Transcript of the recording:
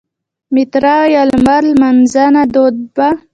میترا یا لمر لمانځنه دود وه